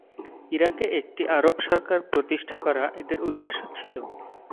ইরাকে একটি আরব সরকার প্রতিষ্ঠা করা এদের উদ্দেশ্য ছিল।